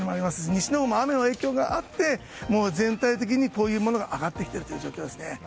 西のほうも雨の影響があって全体的にこういうものが上がってきている状況ですね。